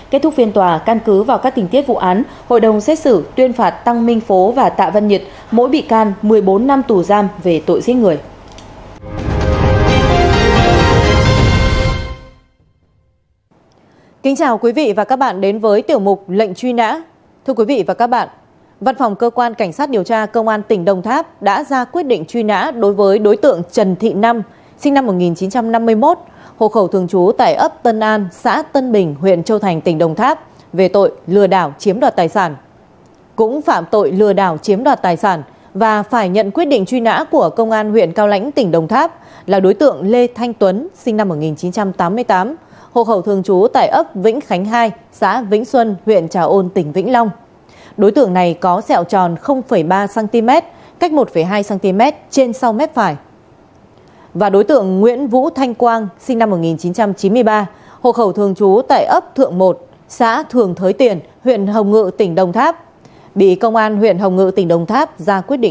kết thúc phiên tòa can cứ vào các tình tiết vụ án hội đồng xét xử tuyên phạt tăng minh phố và tạ văn nhật mỗi bị can một mươi bốn năm tù giam về tội giết người